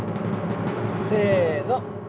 せの！